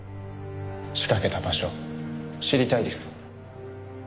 仕掛けた場所知りたいですか？